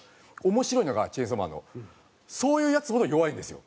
面白いのが『チェンソーマン』のそういうヤツほど弱いんですよ。